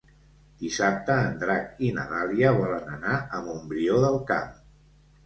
Dissabte en Drac i na Dàlia volen anar a Montbrió del Camp.